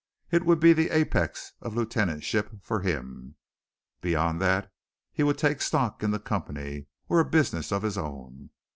It would be the apex of lieutenantship for him. Beyond that he would take stock in the company, or a business of his own.